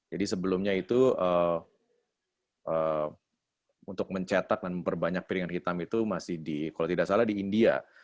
jadi sebelumnya itu untuk mencetak dan memperbanyak piringan hitam itu masih di kalau tidak salah di india